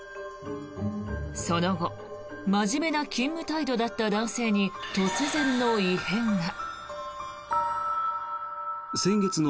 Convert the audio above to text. その後真面目な勤務態度だった男性に突然の異変が。